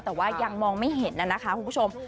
แต่ว่ายังมองไม่เห็นนะคะคุณผู้ชม